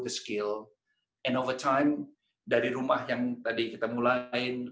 dan sepanjang waktu dari rumah yang tadi kita mulai